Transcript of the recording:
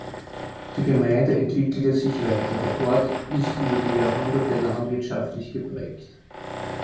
Die Gemeinde entwickelte sich weiter, der Ort ist über die Jahrhunderte landwirtschaftlich geprägt.